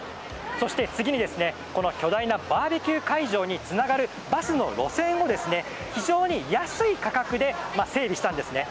そして次に巨大なバーベキュー会場につながるバスの路線を非常に安い価格で整備したんですね。